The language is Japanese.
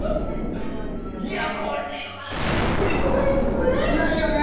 これはしっくりこないっすね。